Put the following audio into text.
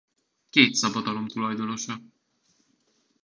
Két szabadalom tulajdonosa.